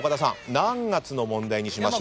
何月の問題にしましょう？